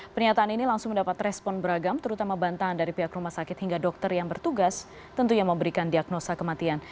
pernyataan ini langsung mendapat respon beragam terutama bantahan dari pihak rumah sakit hingga dokter yang bertugas tentunya memberikan diagnosa kematian